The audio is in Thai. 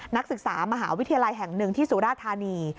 นักศึกษามหาวิทยาลัยแห่งหนึ่งที่สุราธานี